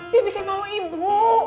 dia bikin mau ibu